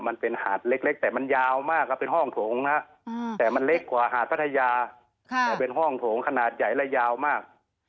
มันเป็นหาดเล็กแต่มันยาวมากครับเป็นห้องโถงนะแต่มันเล็กกว่าหาดพัทยาแต่เป็นห้องโถงขนาดใหญ่และยาวมาก